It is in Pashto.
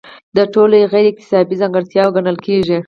دا ټولې غیر اکتسابي ځانګړتیاوې ګڼل کیږي.